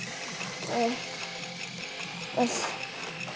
よし。